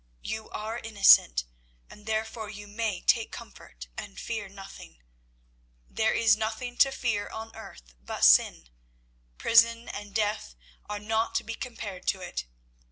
You are innocent, and therefore you may take comfort and fear nothing. There is nothing to fear on earth but sin. Prison and death are not to be compared to it.